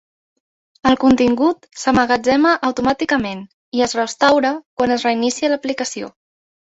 El contingut s'emmagatzema automàticament i es restaura quan es reinicia l'aplicació.